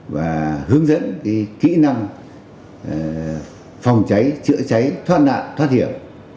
và hướng dẫn kỹ năng phòng cháy chữa cháy thoát nạn thoát hiểm